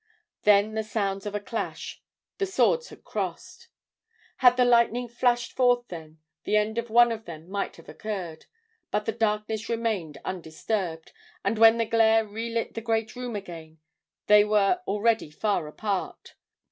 Then the sound of a clash. The swords had crossed. "Had the lightning flashed forth then, the end of one of them might have occurred. But the darkness remained undisturbed, and when the glare relit the great room again, they were already far apart.